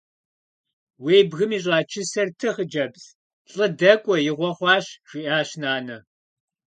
«Уи бгым ищӀа чысэр ты, хъыджэбз. ЛӀы дэкӀуэ. Игъуэ хъуащ!», – жиӀащ нанэ.